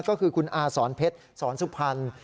ก็คือคุณอาศรเพชรศรสุพรรณ